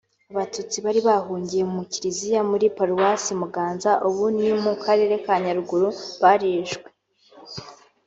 Abatutsi bari bahungiye mu Kiliziya muri paruwasi Muganza (ubu ni mu karere ka Nyaruguru) barishwe